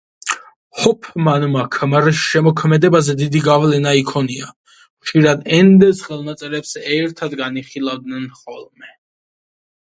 ჰოფმანმა ქმრის შემოქმედებაზე დიდი გავლენა იქონია, ხშირად ენდეს ხელნაწერებს ერთად განიხილავდნენ ხოლმე.